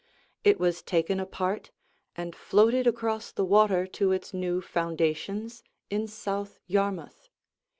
It was taken apart and floated across the water to its new foundations in South Yarmouth.